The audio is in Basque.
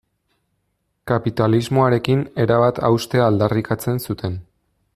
Kapitalismoarekin erabat haustea aldarrikatzen zuten.